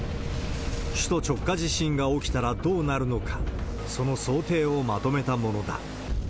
首都直下地震が起きたらどうなるのか、その想定をまとめたものだ。